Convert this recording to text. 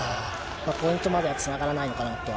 ポイントまではつながらないのかなとは。